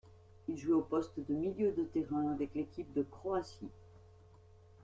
Il jouait au poste de milieu de terrain avec l'équipe de Croatie.